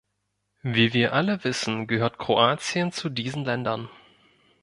Wie wir alle wissen, gehört Kroatien zu diesen Ländern.